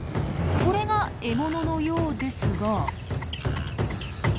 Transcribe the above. これが獲物のようですが。